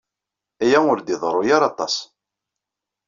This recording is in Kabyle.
Aya ur d-iḍerru ara aṭas.